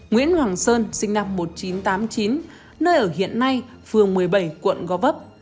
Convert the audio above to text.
nguyễn hoàng sơn sinh năm một nghìn chín trăm tám mươi chín nơi ở hiện nay phường một mươi bảy quận gò vấp